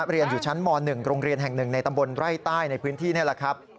เรียนอยู่ชั้นม๑โรงเรียนแห่ง๑ในตำบลไร่ใต้ในพื้นที่นี่แหละครับ